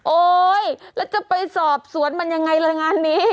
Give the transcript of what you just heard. โอ๊ยแล้วจะไปสอบสวนมันยังไงละงานนี้